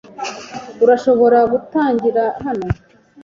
Urashobora gutangira hano?